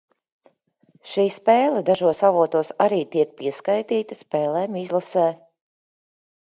Šī spēle dažos avotos arī tiek pieskaitīta spēlēm izlasē.